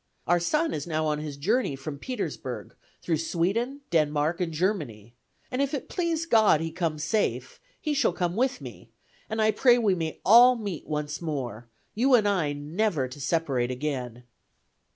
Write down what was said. Our son is now on his journey from Petersburg, through Sweden, Denmark, and Germany, and if it please God he come safe, he shall come with me, and I pray we may all meet once more, you and I never to separate again."